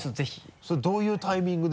それどういうタイミングで？